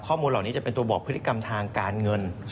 ข้อมูลเหล่านี้จะเป็นตัวบอกพฤติกรรมทางการเงิน